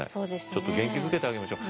ちょっと元気づけてあげましょう。